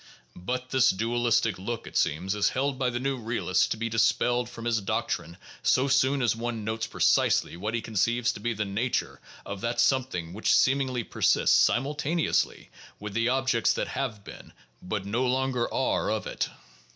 But this dualistic look, it seems, is held by the new realist to be dispelled from his doctrine so soon as one notes precisely what he conceives to be the nature of that some thing which seemingly persists simultaneously with the objects that have been, but no longer are, of it.